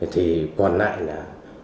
thì còn lại là